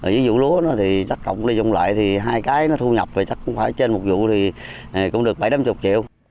ví dụ lúa thì chắc cộng lấy dung lại thì hai cái nó thu nhập thì chắc cũng phải trên một vụ thì cũng được bảy mươi triệu